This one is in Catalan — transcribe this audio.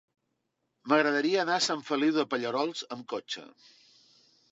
M'agradaria anar a Sant Feliu de Pallerols amb cotxe.